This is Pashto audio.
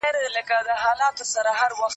معنوي ارزښتونه تر مادي شیانو مهم دي.